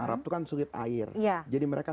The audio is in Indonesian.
arab itu kan sulit air jadi mereka